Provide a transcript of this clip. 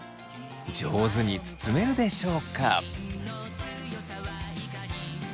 上手に包めるでしょうか。